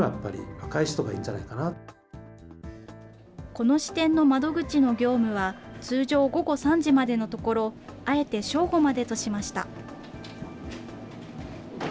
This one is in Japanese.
この支店の窓口の業務は、通常午後３時までのところ、あえて正午までとしました。